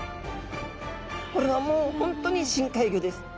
これはもう本当に深海魚です。